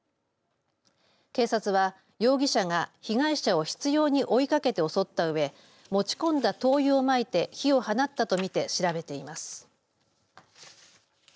警察は容疑者が被害者を執ように追いかけて襲ったうえ持ち込んだ灯油をまいて火を放ったと見て調べています。